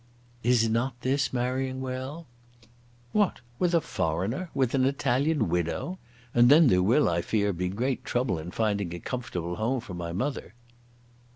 "Is not this marrying well?" "What, with a foreigner; with an Italian widow? And then there will, I fear, be great trouble in finding a comfortable home for my mother."